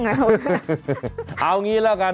จัดกระบวนพร้อมกัน